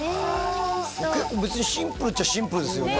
結構別にシンプルっちゃシンプルですよね